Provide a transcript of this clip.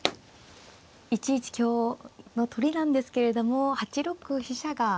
１一香の取りなんですけれども８六飛車が。